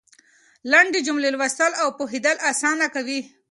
لنډې جملې لوستل او پوهېدل اسانه کوي.